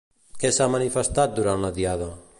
Què s'ha manifestat durant la diada?